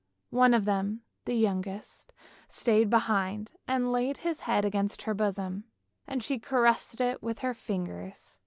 One of them, the youngest, stayed behind. He laid his head against her bosom, and she caressed it with her ringers.